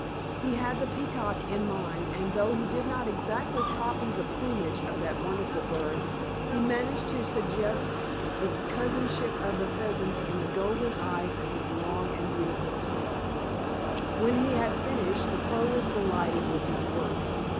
He had the Peacock in mind, and though he did not exactly copy the plumage of that wonderful bird, he managed to suggest the cousinship of the Pheasant in the golden eyes of his long and beautiful tail. When he had finished, the Crow was delighted with his work.